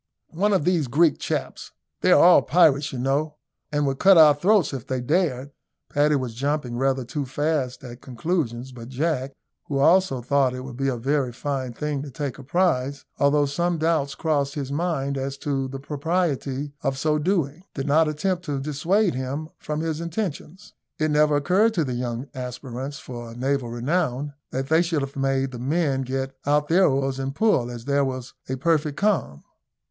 "One of these Greek chaps. They are all pirates, you know, and would cut our throats if they dared." Paddy was jumping rather too fast at conclusions; but Jack, who also thought it would be a very fine thing to take a prize, although some doubts crossed his mind as to the propriety of so doing, did not attempt to dissuade him from his intentions. It never occurred to the young aspirants for naval renown that they should have made the men get out their oars and pull, as there was a perfect calm.